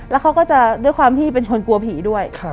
แล้วเขาก็จะด้วยความที่เป็นคนกลัวผีด้วย